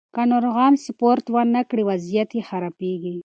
که ناروغان سپورت ونه کړي، وضعیت یې خرابېږي.